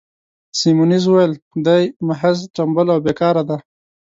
سیمونز وویل: دی محض ټمبل او بې کاره دی.